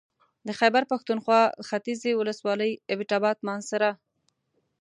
د خېبر پښتونخوا ختيځې ولسوالۍ اېبټ اباد مانسهره